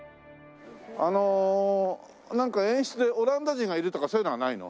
あのなんか演出でオランダ人がいるとかそういうのはないの？